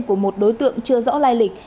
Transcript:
của một đối tượng chưa rõ lai lịch